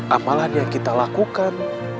amalan yang kita lakukan